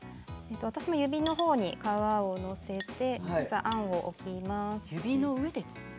私も指のほうに皮を載せてあんを載せます。